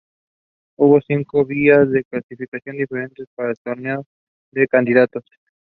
The public is not permitted to enter the courtroom as audience members.